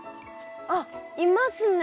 あっいますね。